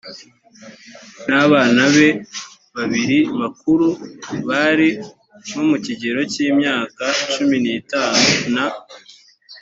n abana be babiri bakuru bari nko mu kigero k imyaka cumi n itanu na